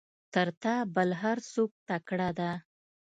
تر تا بل هر څوک تکړه ده.